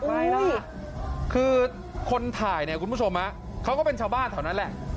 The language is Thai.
อะไรล่ะคือคนถ่ายเนี่ยคุณผู้ชมฮะเขาก็เป็นชาวบ้านแถวนั้นแหละ